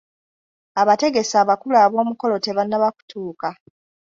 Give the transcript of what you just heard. Abategesi abakulu ab'omukolo tebannaba kutuuka.